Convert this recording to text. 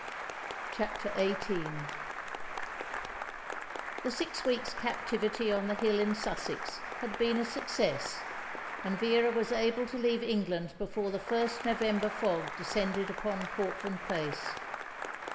CHAPTER XVIII The six weeks' captivity on the hill in Sussex had been a success, and Vera was able to leave England before the first November fog descended upon Portland Place.